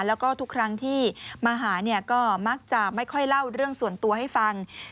แล้วก็ทุกครั้งที่มาหาเนี่ยก็มักจะไม่ค่อยเล่าเรื่องส่วนตัวให้ฟัง